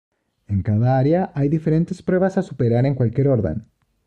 En cada área hay diferentes pruebas a superar en cualquier orden.